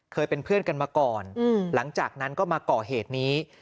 เป็นเพื่อนกันมาก่อนหลังจากนั้นก็มาก่อเหตุนี้